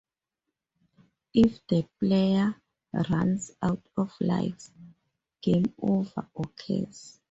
If the player runs out of lives, game over occurs.